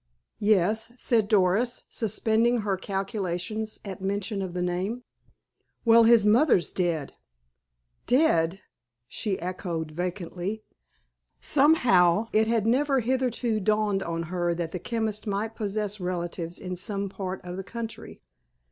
"Yes," said Doris, suspending her calculations at mention of the name. "Well, his mother's dead." "Dead?" she echoed vacantly. Somehow, it had never hitherto dawned on her that the chemist might possess relatives in some part of the country.